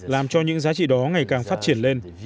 làm cho những giá trị đó ngày càng phát triển lên